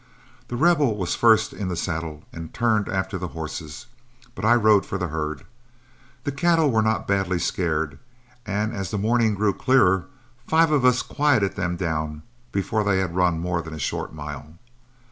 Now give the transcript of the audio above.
The Rebel was first in the saddle, and turned after the horses, but I rode for the herd. The cattle were not badly scared, and as the morning grew clearer, five of us quieted them down before they had run more than a short mile.